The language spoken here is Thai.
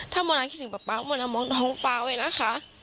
ถ้าโมนั้นคิดถึงป๊าป๊าโมนามองน้องป๊าไว้นะคะ